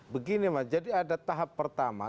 begini mas jadi ada tahap pertama